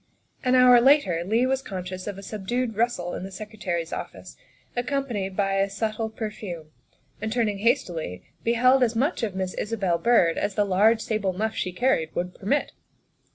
An hour later Leigh was conscious of a subdued rustle in the Secretary's office, accompanied by a subtle per fume, and, turning hastily, beheld as much of Miss Isabel Byrd as the large sable muff she carried would permit.